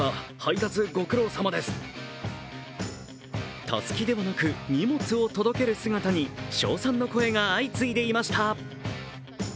たすきではなく、荷物を届ける姿に称賛の声が相次いでいました。